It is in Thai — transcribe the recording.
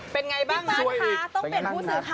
เป็นไงบ้างรั้นคะต้องเป็นผู้สื่อข่าวนะค่ะ